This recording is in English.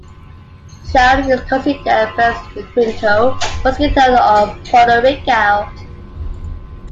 Scharron is considered the best "requinto," first guitar of Puerto Rico.